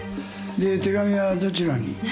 で手紙はどちらに？